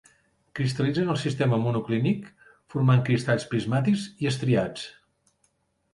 Cristal·litza en el sistema monoclínic, formant cristalls prismàtics i estriats.